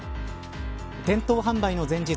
店頭販売の前日